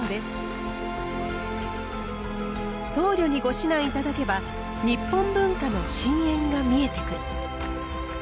僧侶にご指南頂けば日本文化の深淵が見えてくる。